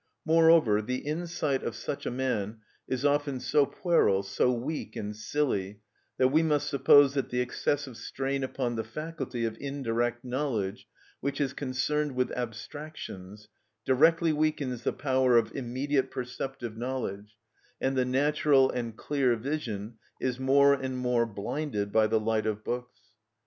Moreover, the insight of such a man is often so puerile, so weak and silly, that we must suppose that the excessive strain upon the faculty of indirect knowledge, which is concerned with abstractions, directly weakens the power of immediate perceptive knowledge, and the natural and clear vision is more and more blinded by the light of books.